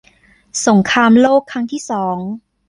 สงครามโลกครั้งที่สอง